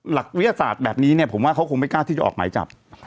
หลักวิทยาศาสตร์แบบนี้เนี่ยผมว่าเขาคงไม่กล้าที่จะออกหมายจับ